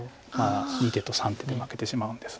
２手と３手で負けてしまうんです。